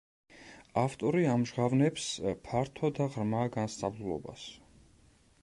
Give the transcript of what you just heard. ავტორი ამჟღავნებს ფართო და ღრმა განსწავლულობას.